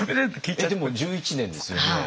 えっでも１１年ですよね。